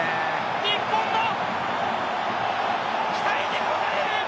日本の期待に応える。